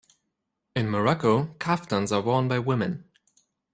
In Morocco, kaftans are worn by women.